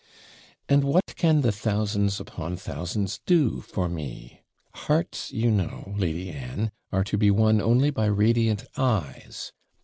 'And what can the thousands upon thousands do for me? Hearts, you know, Lady Anne, are to be won only by radiant eyes.